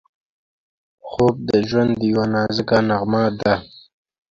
خوب د ژوند یوه نازکه نغمه ده